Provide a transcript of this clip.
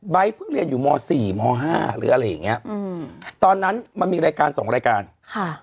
เพิ่งเรียนอยู่มสี่มห้าหรืออะไรอย่างเงี้ยอืมตอนนั้นมันมีรายการสองรายการค่ะ